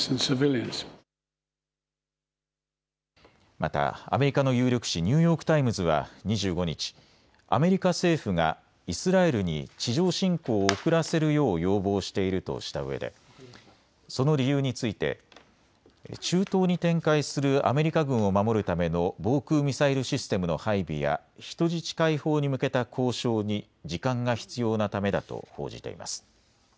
またアメリカの有力紙、ニューヨーク・タイムズは２５日、アメリカ政府がイスラエルに地上侵攻を遅らせるよう要望しているとしたうえでその理由について中東に展開するアメリカ軍を守るための防空ミサイルシステムの配備や人質解放に向けた交渉に時間が必要なためだと報じています。